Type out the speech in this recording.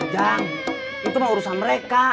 jang itu mah urusan mereka